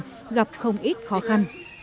vào xe lăn gặp không ít khó khăn